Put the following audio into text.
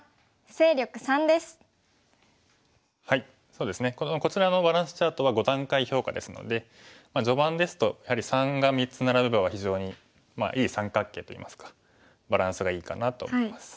そうですねこちらのバランスチャートは５段階評価ですので序盤ですとやはり３が３つ並べば非常にいい三角形といいますかバランスがいいかなと思います。